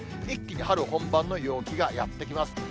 一気に春本番の陽気がやって来ます。